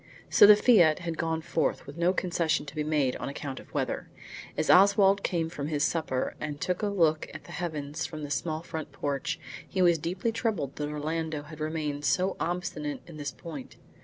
So the fiat had gone forth, with no concession to be made on account of weather. As Oswald came from his supper and took a look at the heavens from the small front porch, he was deeply troubled that Orlando had remained so obstinate on this point.